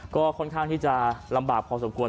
ก็ค่อนข้างที่จะลำบากพอสมควร